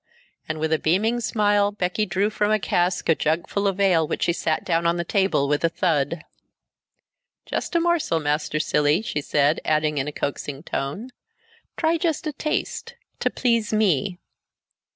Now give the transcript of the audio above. And with a beaming smile Becky drew from a cask a jugful of ale which she set down on the table with a thud. "Just a morsel, Master Cilley," she said, adding in a coaxing tone, "Try just a taste, to please me."